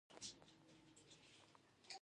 بزګر د پټي مېنهوال دی